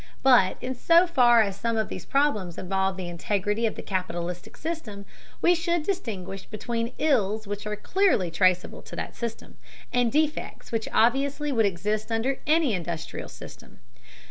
But in so far as some of these problems involve the integrity of the capitalistic system, we should distinguish between ills which are clearly traceable to that system, and defects which obviously would exist under any industrial system.